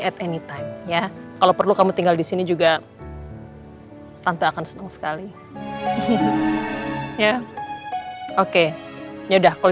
at anytime ya kalau perlu kamu tinggal di sini juga tentu akan senang sekali ya oke yaudah kalau